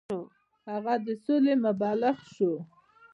هغه د سولې مبلغ شو.